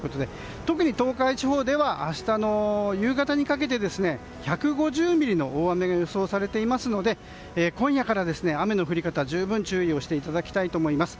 特に東海地方では明日の夕方にかけて１５０ミリの大雨が予想されていますので今夜から雨の降り方に十分注意をしていただきたいと思います。